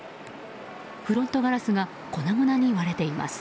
フロントガラスが粉々に割れています。